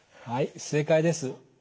はい正解です。